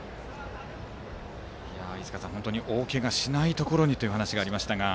飯塚さん、本当に大けがしないところにという話がありましたが。